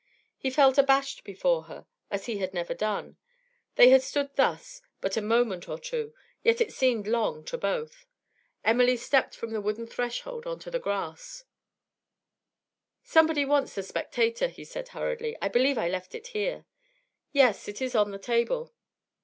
He felt abashed before her, as he had never done. They had stood thus but a moment or two, yet it seemed long to both. Emily stepped from the wooden threshold on to the grass. 'Somebody wants the "Spectator,"' he said hurriedly. 'I believe I left it here.' 'Yes, it is on the table.'